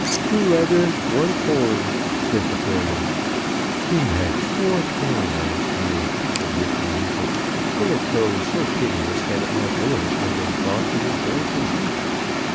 "Two leather; one cord," said the foreman. "He had four pair last year," said Mr. Neefit, in a tone so piteous that it might almost have been thought that he was going to weep.